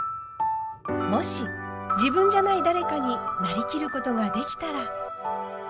もし自分じゃない誰かになりきることができたら。